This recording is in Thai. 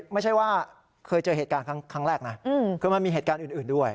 ไม่ใช่ว่าเคยเจอเหตุการณ์ครั้งแรกนะคือมันมีเหตุการณ์อื่นด้วย